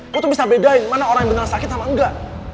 gue tuh bisa bedain mana orang yang beneran sakit sama ga